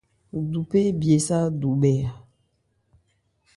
Duphé ébye sâ ádubhɛ́ a.